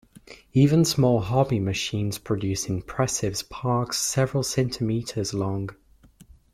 Even small hobby machines produce impressive sparks several centimeters long.